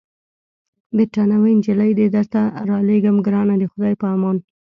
بریتانوۍ نجلۍ دي درته رالېږم، ګرانه د خدای په امان.